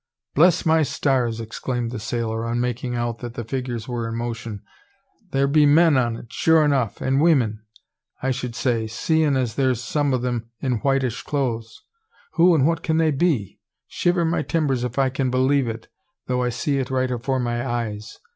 "Bless my stars!" exclaimed the sailor, on making out that the figures were in motion, "thear be men on 't sure enough, an' weemen, I should say, seein' as there's some o' 'em in whitish clothes. Who and what can they be? Shiver my timbers if I can believe it, tho' I see it right afore my eyes!